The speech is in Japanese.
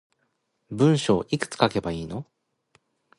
文章いくつ書けばいいの